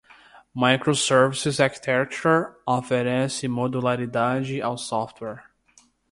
Microservices Architecture oferece modularidade ao software.